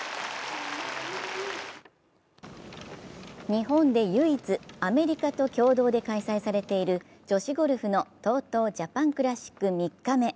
日本で唯一、アメリカと共同で開催されている女子ゴルフのＴＯＴＯジャパンクラシック３日目。